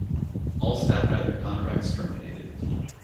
All staff had their contracts terminated.